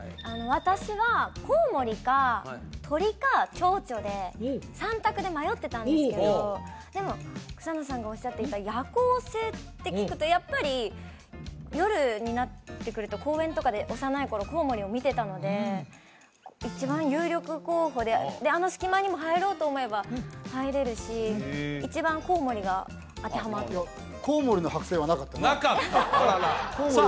私はコウモリか鳥かチョウチョで３択で迷ってたんですけどでも草野さんがおっしゃっていた夜行性って聞くとやっぱり夜になってくると公園とかで幼い頃コウモリを見てたので一番有力候補でであの隙間にも入ろうと思えば入れるし一番コウモリが当てはまるなかったあららさあ